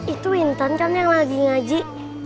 itu intan kan yang lagi ngaji